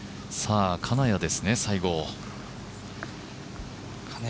金谷ですね、最後。